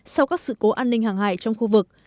sau các sự cố an ninh hàng hải trong khu vực